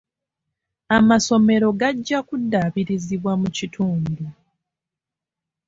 Amasomero gajja kuddaabirizibwa mu kitundu.